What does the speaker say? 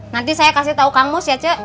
nanti saya kasih tau kang umus ya ce